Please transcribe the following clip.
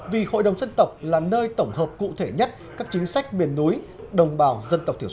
vì hội đồng dân tộc là nơi tổng hợp cụ thể nhất các chính sách miền núi đồng bào dân tộc thiểu số